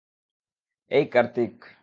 এই, কার্তিক।